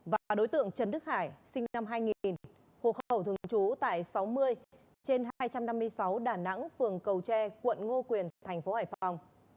và đối tượng trần đức hải sinh năm hai nghìn hộ khẩu thường trú tại sáu mươi trên hai trăm năm mươi sáu đà nẵng phường cầu tre quận ngô quyền thành phố hải phòng